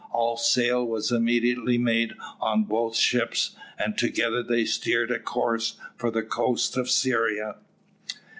All sail was immediately made on both ships, and together they steered a course for the coast of Syria.